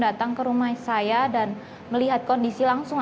datang ke rumah saya dan melihat kondisi langsung